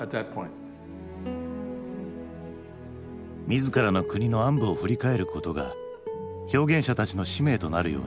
自らの国の暗部を振り返ることが表現者たちの使命となるような時代。